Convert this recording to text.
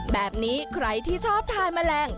แบบนี้ใครที่ชอบทานแมลง